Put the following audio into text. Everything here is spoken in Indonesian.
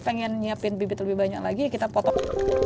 ingin menyiapkan bibit lebih banyak lagi kita potong